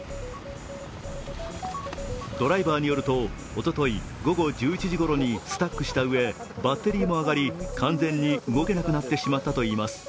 ドライバーによると、おととい午後１１ごろにスタックしたためバッテリーも上がり、完全に動けなくなってしまったといいます。